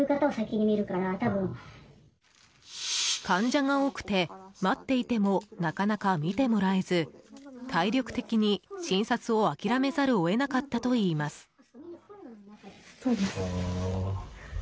患者が多くて、待っていてもなかなか診てもらえず体力的に診察を諦めざるを得なかったといいます。